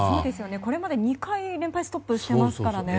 これまで２回連敗ストップしてますからね。